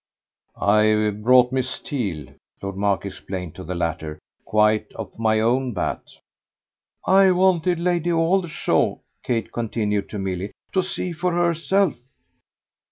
"I brought Miss Theale," Lord Mark explained to the latter, "quite off my own bat." "I wanted Lady Aldershaw," Kate continued to Milly, "to see for herself."